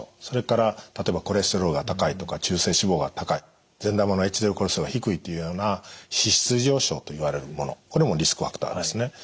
それから例えばコレステロールが高いとか中性脂肪が高い善玉のＨＤＬコレステロールが低いというような脂質異常症といわれるものこれもリスクファクターですね。